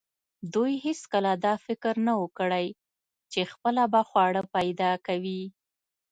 دوی هیڅکله دا فکر نه و کړی چې خپله به خواړه پیدا کوي.